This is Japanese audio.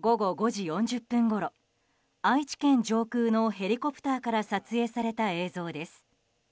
午後５時４０分ごろ愛知県上空のヘリコプターから撮影された映像です。